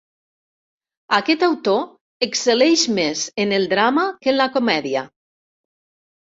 Aquest autor excel·leix més en el drama que en la comèdia.